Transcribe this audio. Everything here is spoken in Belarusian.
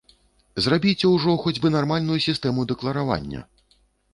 Зрабіце ўжо хоць бы нармальную сістэму дэкларавання!